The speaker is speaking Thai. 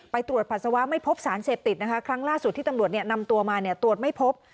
ตรวจปัสสาวะไม่พบสารเสพติดนะคะครั้งล่าสุดที่ตำรวจนำตัวมาตรวจไม่พบ